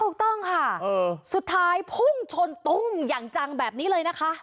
ถูกต้องค่ะสุดท้ายพุ่งชนตุ้งอย่างจังแบบนี้เลยนะคะ